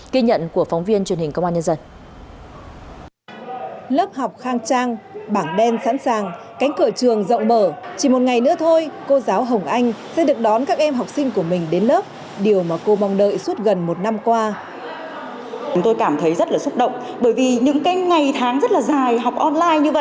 kỳ nhận của phóng viên truyền hình công an nhân dân